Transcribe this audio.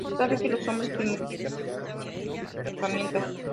Se sabe que los hombres primitivos utilizaban espinas como herramientas.